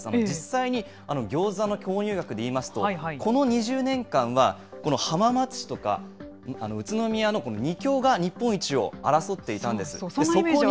実際に、ギョーザの購入額でいいますと、この２０年間は、この浜松市とか、宇都宮の２強が日本一を争っていたんです。